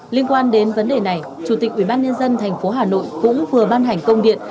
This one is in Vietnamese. liên quan đến vấn đề này chủ tịch ủy ban nhân dân thành phố hà nội cũng vừa ban hành công điện